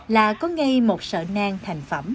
là có ngay một sợ nang thành phẩm